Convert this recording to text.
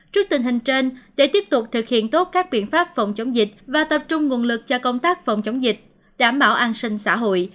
trước tình hình trên để tiếp tục thực hiện tốt các biện pháp phòng chống dịch và tập trung nguồn lực cho công tác phòng chống dịch đảm bảo an sinh xã hội